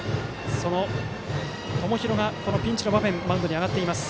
その友廣が、このピンチの場面マウンドに上がっています。